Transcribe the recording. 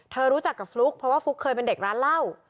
รู้จักกับฟลุ๊กเพราะว่าฟลุ๊กเคยเป็นเด็กร้านเหล้า